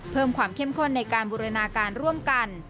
เพิ่มความเข้มข้นในการบูรณาการร่วมกัน